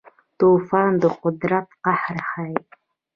طوفان د قدرت قهر ښيي.